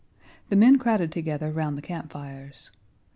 The men crowded together round the campfires.